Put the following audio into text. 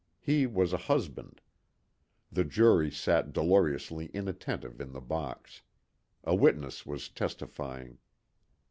He was a husband. The jury sat dolorously inattentive in the box. A witness was testifying.